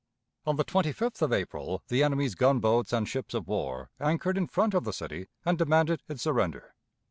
On the 25th of April the enemy's gunboats and ships of war anchored in front of the city and demanded its surrender.